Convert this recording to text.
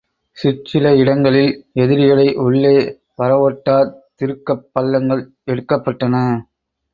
சிற்சில இடங்களில் எதிரிகளை உள்ளே வரவொட்டா திருக்கப் பள்ளங்கள் எடுக்கப்பட்டன.